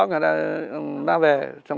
người ta về